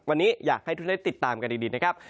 วันนี้อยากให้ทุกได้ติดตามกันดีนะครับ